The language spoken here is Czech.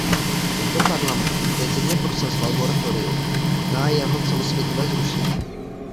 Tento Parlament intenzivně prosazoval moratorium na jeho celosvětové zrušení.